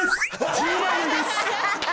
１０万円です！